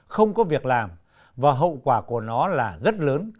không có việc làm và hậu quả của nó là rất lớn